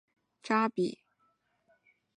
比赛地点在阿布扎比。